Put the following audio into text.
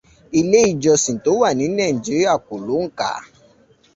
Ilé ìjọsìn tó wà ní Nàìjíríà kò lóǹkà.